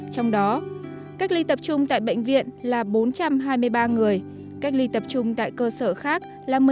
trong đó cách ly tập trung tại bệnh viện là bốn trăm hai mươi ba người cách ly tập trung tại cơ sở khác là một mươi năm tám trăm sáu mươi người